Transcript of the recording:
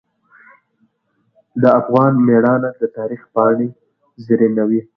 د افغان میړانه د تاریخ پاڼې زرینوي.